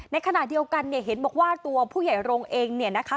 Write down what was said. ในขณะเดียวกันเนี่ยเห็นบอกว่าตัวผู้ใหญ่รงค์เองเนี่ยนะคะ